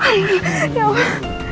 sayang ya allah